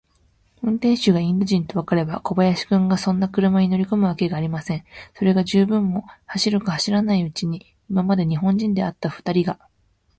運転手がインド人とわかれば、小林君がそんな車に乗りこむわけがありません。それが、十分も走るか走らないうちに、今まで日本人であったふたりが、